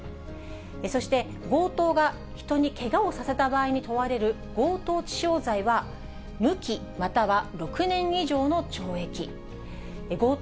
そして強盗が人にけがをさせた場合に問われる強盗致傷罪は無期または６年以上の懲役。